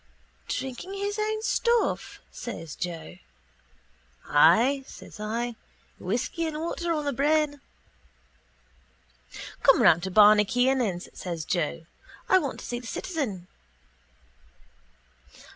—Drinking his own stuff? says Joe. —Ay, says I. Whisky and water on the brain. —Come around to Barney Kiernan's, says Joe. I want to see the citizen.